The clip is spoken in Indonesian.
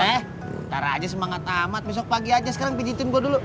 eh ntar aja semangat amat besok pagi aja sekarang pijitin gue dulu